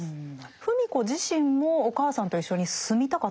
芙美子自身もお母さんと一緒に住みたかったんでしょうか？